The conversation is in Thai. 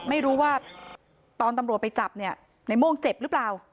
ไม่รู้ว่าตอนตำรวจไปจับเนี่ยในโม่งเจ็บหรือเปล่า